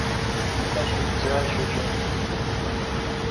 Къыщӏидзащ иджы!